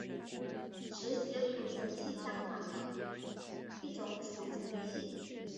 只写存储器相反的一种存储器。